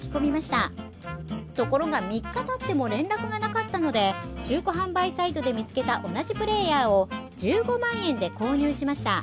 ところが３日たっても連絡がなかったので中古販売サイトで見つけた同じプレーヤーを１５万円で購入しました。